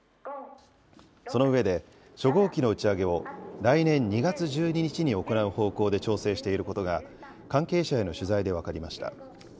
その上で、初号機の打ち上げを来年２月１２日に行う方向で調整していることが、関係者への取材で分かりました。